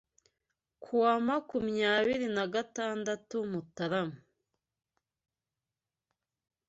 kuwa makumyabiri nagatantatu Mutarama